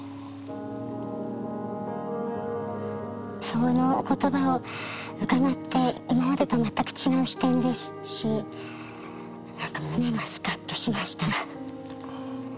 そのお言葉を伺って今までと全く違う視点ですし何か胸がスカッとしました。